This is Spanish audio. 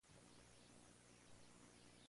Rabia pura.